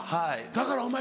だからお前